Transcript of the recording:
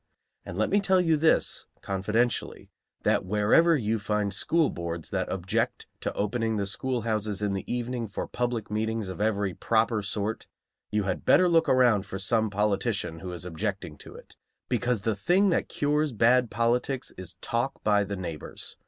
And let me tell you this, confidentially, that wherever you find school boards that object to opening the schoolhouses in the evening for public meetings of every proper sort, you had better look around for some politician who is objecting to it; because the thing that cures bad politics is talk by the neighbors.